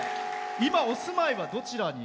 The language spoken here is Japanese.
今、お住まいはどちらに？